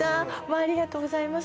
ありがとうございます